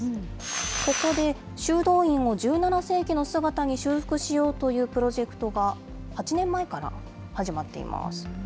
ここで修道院を１７世紀の姿に修復しようというプロジェクトが、８年前から始まっています。